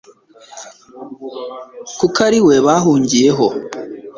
kuko ari we bahungiyeho